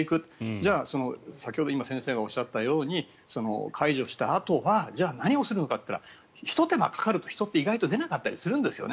じゃあ、先ほど先生がおっしゃったように解除したあとは何をするのかっていったらひと手間かかると人って意外と出なかったりするんですよね。